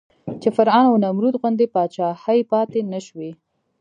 چې فرعون او نمرود غوندې پاچاهۍ پاتې نه شوې.